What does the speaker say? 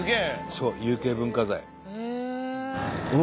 そう有形文化財。